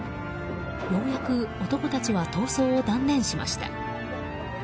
ようやく男たちは逃走を断念しました。